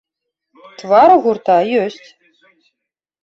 Твар у гурта ёсць.